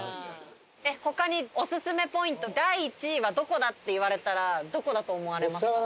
他に「オススメポイント第１位はどこだ？」って言われたらどこだと思われますか？